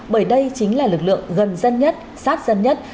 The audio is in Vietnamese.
bởi đây chính là lực lượng gần dân nhất sát dân nhất